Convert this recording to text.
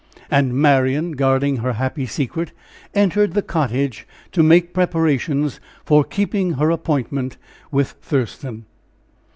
And Marian, guarding her happy secret, entered the cottage to make preparations for keeping her appointment with Thurston.